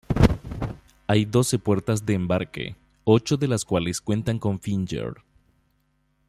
Hay doce puertas de embarque, ocho de las cuales cuentan con finger.